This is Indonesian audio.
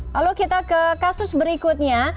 lalu kita ke kasus berikutnya